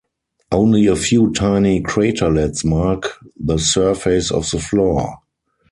Only a few tiny craterlets mark the surface of the floor.